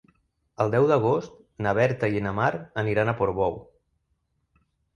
El deu d'agost na Berta i na Mar aniran a Portbou.